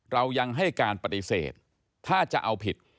เรายังให้การปฏิเสธถ้าจะเอาผิด